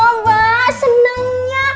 tuh mas seneng ya